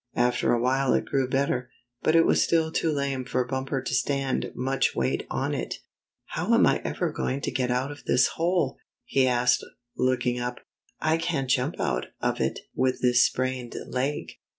After a while it grew better, but it was still too lame for Bumper to stand much weight on it. "How am I ever going to get out of this hole? " he asked, looking up. " I can't jump out of it with this sprained leg."